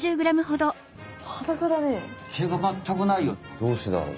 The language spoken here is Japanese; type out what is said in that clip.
どうしてだろう？